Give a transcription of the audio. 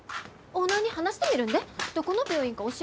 オーナーに話してみるんでどこの病院か教えてください。